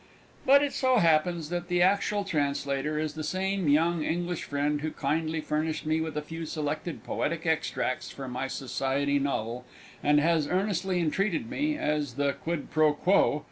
But it so happens that the actual translator is the same young English friend who kindly furnished me with a few selected poetic extracts for my Society novel, and has earnestly entreated me (as the quid pro quo!)